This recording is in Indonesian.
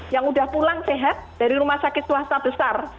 yang udah pulang sehat dari rumah sakit swasta besar